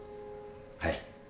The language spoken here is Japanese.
はい。